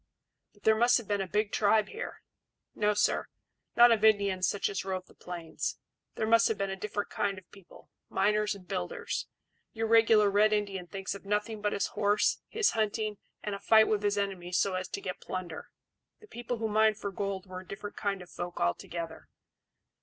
"But there must have been a big tribe here." "No, sir; not of Indians such as rove the plains. These must have been a different kind of people miners and builders. Your regular Red Indian thinks of nothing but his horse, his hunting, and a fight with his enemies so as to get plunder. The people who mined for gold were a different kind of folk altogether."